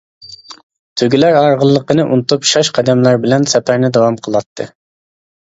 تۆگىلەر ھارغىنلىقىنى ئۇنتۇپ شاش قەدەملەر بىلەن سەپەرنى داۋام قىلاتتى.